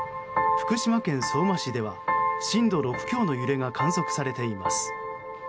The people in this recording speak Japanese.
福島県相馬市では震度６強の揺れが観測されています。